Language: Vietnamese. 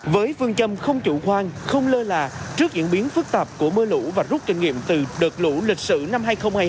với phương châm không chủ khoan không lơ là trước diễn biến phức tạp của mưa lũ và rút kinh nghiệm từ đợt lũ lịch sử năm hai nghìn hai mươi hai